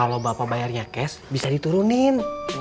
pembayarnya cash bisa diturunin